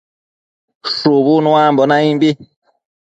Shubu uanun naimbi